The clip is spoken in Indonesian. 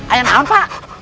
ayah naon pak